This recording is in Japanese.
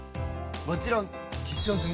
もちろん実証済！